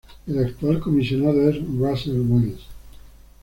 El actual Comisionado es Russell Wills.